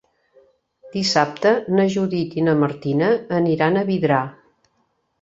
Dissabte na Judit i na Martina aniran a Vidrà.